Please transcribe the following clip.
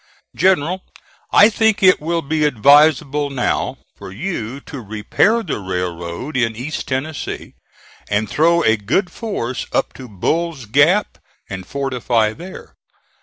"GENERAL: I think it will be advisable now for you to repair the railroad in East Tennessee, and throw a good force up to Bull's Gap and fortify there.